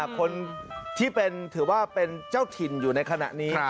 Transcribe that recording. คนที่ถือว่าเป็นเจ้าถิ่นอยู่ในขณะนี้